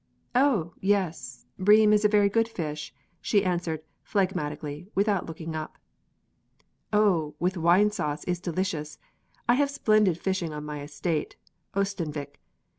"Oh, yes! bream is a very good fish," answered she, phlegmatically, without looking up. "Oh, with red wine sauce, delicious! I have splendid fishing on my estate, Oestanvik.